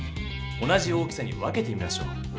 同じ大きさに分けてみましょう。